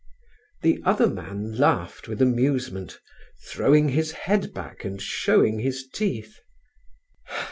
The other man laughed with amusement, throwing his head back and showing his teeth.